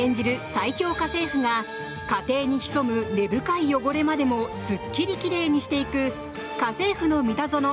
最恐家政夫が家庭に潜む根深い汚れまでもすっきり奇麗にしていく「家政夫のミタゾノ」